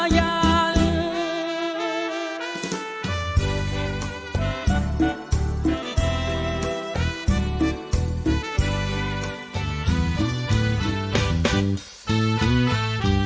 และร้องได้ให้ร้อง